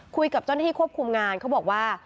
คุยกับเจ้าหน้าที่ควบคุมงานเขาบอกว่า